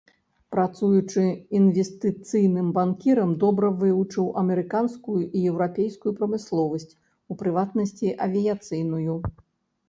Працуючы інвестыцыйным банкірам добра вывучыў амерыканскую і еўрапейскую прамысловасць, у прыватнасці, авіяцыйную.